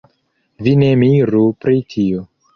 Vi ne miru pri tio.